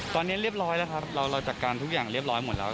ตอนนี้เรียบร้อยแล้วครับเราจัดการทุกอย่างเรียบร้อยหมดแล้ว